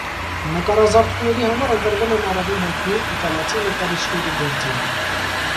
Նկարազարդումների համար ընտրվել են առավել հայտնի իտալացի նկարիչների գործերը։